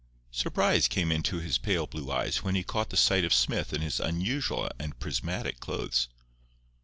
Surprise came into his pale blue eyes when he caught sight of Smith in his unusual and prismatic clothes.